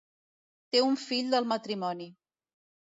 Té un fill del matrimoni.